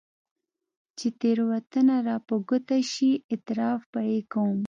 چې تېروتنه راپه ګوته شي، اعتراف به يې کوم.